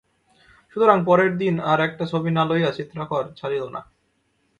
সুতরাং পরের দিন আর-একটা ছবি না লইয়া চিত্রকর ছাড়িল না।